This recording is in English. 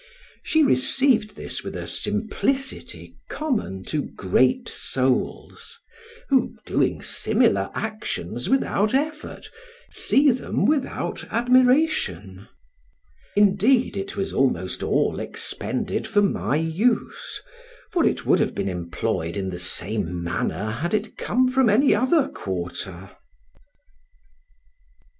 She received this with a simplicity common to great souls, who, doing similar actions without effort, see them without admiration; indeed it was almost all expended for my use, for it would have been employed in the same manner had it come from any other quarter.